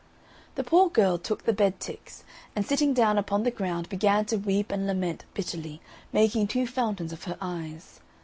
The poor girl took the bed ticks, and sitting down upon the ground began to weep and lament bitterly, making two fountains of her eyes.